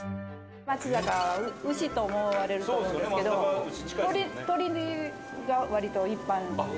「松阪は牛と思われると思うんですけど鶏鶏が割と一般」